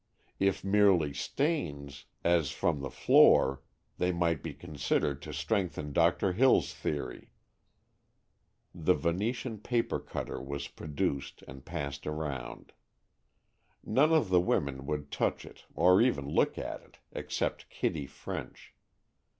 If merely stains, as from the floor, they might be considered to strengthen Doctor Hill's theory." The Venetian paper cutter was produced and passed around. None of the women would touch it or even look at it, except Kitty French.